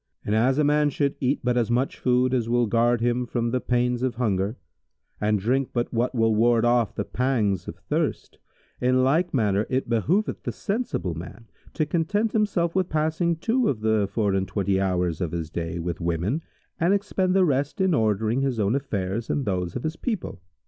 And as a man should eat but as much food as will guard him from the pains of hunger and drink but what will ward off the pangs of thirst, in like manner it behoveth the sensible man to content himself with passing two of the four and twenty hours of his day with women and expend the rest in ordering his own affairs and those of his people.